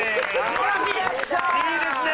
いいですね！